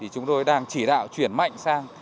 chúng tôi đang chỉ đạo chuyển mạnh sang